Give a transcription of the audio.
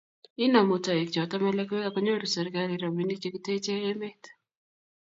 Inamu toek choto melekwek akonyoru serikait robinik che kitechee emet